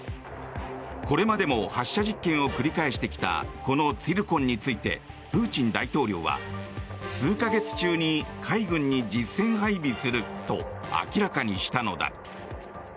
これまでも発射実験を繰り返してきたこのツィルコンについてプーチン大統領は数か月中に海軍に実戦配備すると明らかにしたのだ。